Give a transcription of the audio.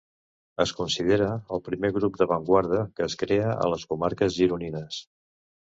És considerat el primer grup d'avantguarda que es crea a les comarques gironines.